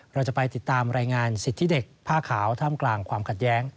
เราจะไปติดตามรายงานสิทธิเด็กผ้าขาวท่ามกลางความขัดแย้ง